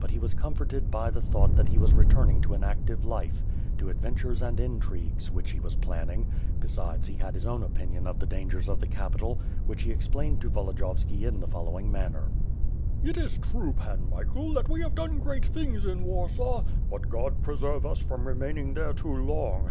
But he was comforted by the thought that he was returning to an active life, to adventures and intrigues, which he was planning; and besides he had his own opinion of the dangers of the capital, which he explained to Volodiyovski in the following manner: ''It is true. Pan Michael, that we have done great things in Warsaw, but God preserve us from remaining there too long.